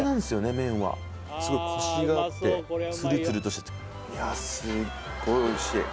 麺はすごいコシがあってツルツルとしたいやすっごいおいしい